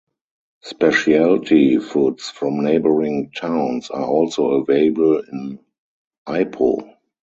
Specialty foods from neighbouring towns are also available in Ipoh.